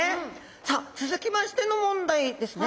さあ続きましての問題ですね。